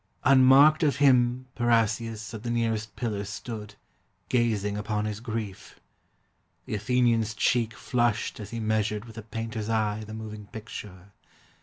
Unmarked of him Parrhasius at the nearest pillar stood, Gazing upon his grief. The Athenian's cheek Flushed as he measured with a painter's eye The moving picture.